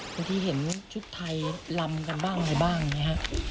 บางที่เห็นชุดไทยลำกันบ้างไหนบ้างเห็นไหมครับ